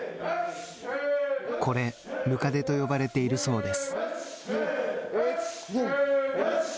これ、むかでと呼ばれているそうです。